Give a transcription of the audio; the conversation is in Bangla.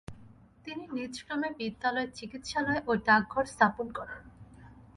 তিনি নিজগ্রামে বিদ্যালয়, চিকিৎসালয় ও ডাকঘর স্থাপন করেন।